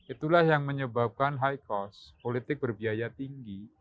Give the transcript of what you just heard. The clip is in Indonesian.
itulah yang menyebabkan high cost politik berbiaya tinggi